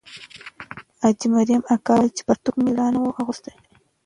حاجي مریم اکا وویل چې پرتوګ مې لا نه وو اغوستی.